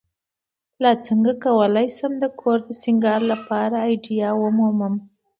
uڅنګه کولی شم د کور د سینګار لپاره آئیډیا ومومم